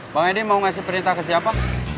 bang edi mau ngasih perintah ke siapa